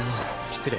失礼。